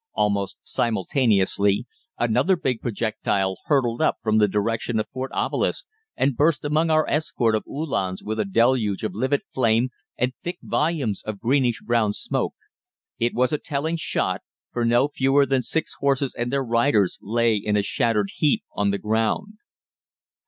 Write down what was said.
Almost simultaneously another big projectile hurtled up from the direction of Fort Obelisk, and burst among our escort of Uhlans with a deluge of livid flame and thick volumes of greenish brown smoke. It was a telling shot, for no fewer than six horses and their riders lay in a shattered heap on the ground.